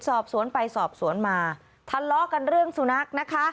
สอบสวนไปสอบสวนมาทะเลาะกันเรื่องสุนัขนะคะ